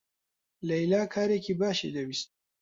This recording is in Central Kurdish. لەیلا کارێکی باشی دەویست.